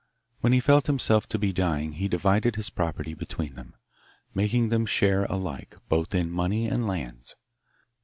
When he felt himself to be dying he divided his property between them, making them share alike, both in money and lands.